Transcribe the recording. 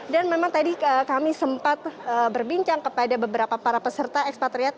dan memang tadi kami sempat berbincang kepada beberapa para peserta ekspatriat